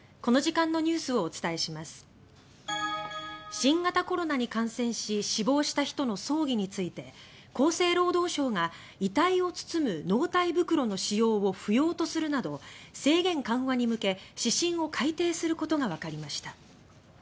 新型コロナに感染し死亡した人の葬儀について厚生労働省が遺体を包む納体袋の使用を不要とするなど制限緩和に向け指針を改定することがわかりました。